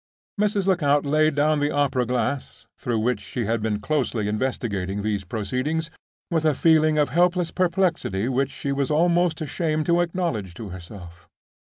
Mrs. Lecount laid down the opera glass, through which she had been closely investigating these proceedings, with a feeling of helpless perplexity which she was almost ashamed to acknowledge to herself.